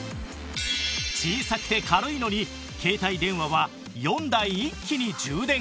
小さくて軽いのに携帯電話は４台一気に充電可能